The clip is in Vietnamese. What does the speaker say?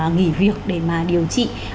nghỉ việc để mà điều trị